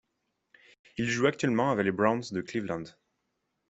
Il joue actuellement avec les Browns de Cleveland.